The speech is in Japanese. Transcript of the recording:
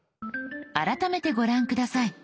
改めてご覧下さい。